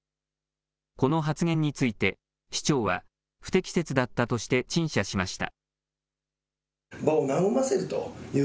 この発言について、市長は不適切だったとして陳謝しました。